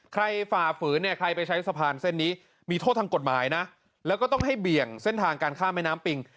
ฝ่าฝืนเนี่ยใครไปใช้สะพานเส้นนี้มีโทษทางกฎหมายนะแล้วก็ต้องให้เบี่ยงเส้นทางการข้ามแม่น้ำปิง